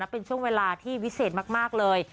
เป็นช่วงเวลาที่วิเศษมากเลย